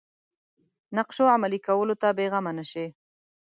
نقشو عملي کولو ته بېغمه نه شي.